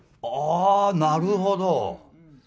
あなるほど。